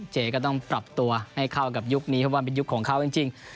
เจก็ต้องปรับตัวให้เข้ากับยุคนี้เพราะว่าเป็นยุคของเขาจริง